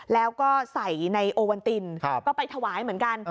แล้วก็ใส่ในโอวันตินก็ไปถวายเหมือนกัน